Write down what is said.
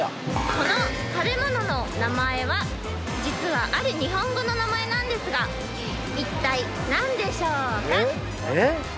この食べ物の名前は実はある日本語の名前なんですが一体何でしょうか？